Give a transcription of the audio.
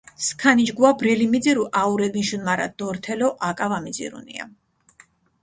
სქანიჯგუა ბრელი მიძირჷ აურე მიშუნ, მარა დორთელო აკა ვამიძირუნია.